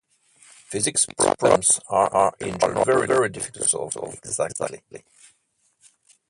Physics problems are in general very difficult to solve exactly.